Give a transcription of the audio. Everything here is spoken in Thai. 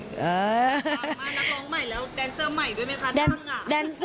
มานักร้องใหม่แล้วแดนเซอร์ใหม่ด้วยไหมค่ะนั่งอ่ะ